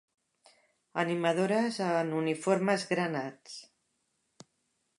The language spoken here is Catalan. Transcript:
Animadores en uniformes granats.